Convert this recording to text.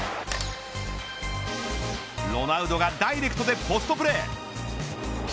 ロナウドがダイレクトでポストプレー。